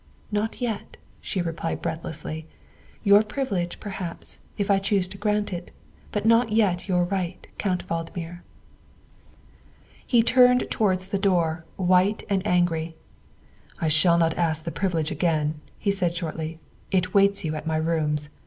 " Not yet," she replied breathlessly, " your privilege, perhaps, if I chose to grant it, but not yet your right, Count Valdmir." He turned towards the door, white and angry. ' I shall not ask the privilege again," he said shortly, " it waits you at my rooms.